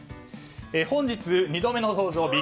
本日２度目の登場